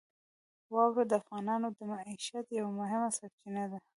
واوره د افغانانو د معیشت یوه مهمه سرچینه ده.